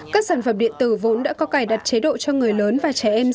các sản phẩm điện tử vốn đã có cài đặt chế độ cho người lớn và trẻ em